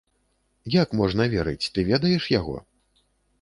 Як можна верыць, ты ведаеш яго?